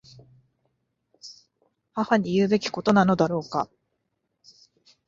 母に言うべきことなのだろうか。